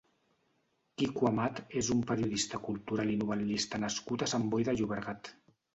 Kiko Amat és un periodista cultural i novel·lista nascut a Sant Boi de Llobregat.